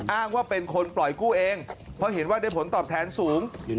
อ้างว่าเป็นคนปล่อยกู้เองเพราะเห็นว่าได้ผลตอบแทนสูง